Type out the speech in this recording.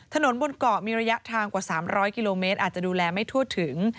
ถนนบนเกาะมีระยะทางกว่า๓๐๐กิโลเมตรอาจจะดูแลไม่ทั่วถึง